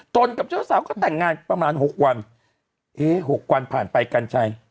ต้นกับสาวก็แต่งงานประมาณหกวันเอ๊ะหกวันผ่านไปกันค่ะ